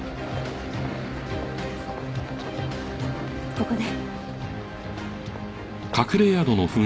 ここね。